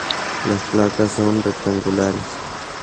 Las placas son rectangulares.